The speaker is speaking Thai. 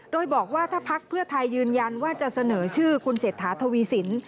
โดยบอกว่าถ้าพักเพื่อไทยยืนยันว่าจะเสนอชื่อคุณเศรษฐาทวีสิน